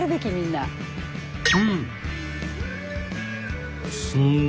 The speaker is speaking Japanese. うん！